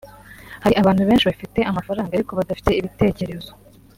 Hari abantu benshi bafite amafaranga ariko badafite ibitekerezo